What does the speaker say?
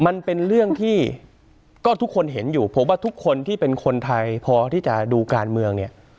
มันเป็นเรื่องที่ก็ทุกคนเห็นอยู่ผมว่าทุกคนที่เป็นคนไทยพอที่จะดูการเมืองเนี่ย